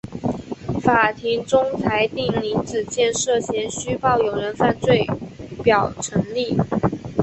法庭终裁定林子健涉嫌虚报有人犯罪表证成立。